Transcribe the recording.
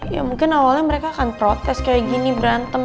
ya mungkin awalnya mereka akan protes kayak gini berantem